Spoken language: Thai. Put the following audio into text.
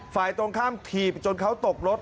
ฝ่ายตรงข้ามถีบจนเขาตกรถ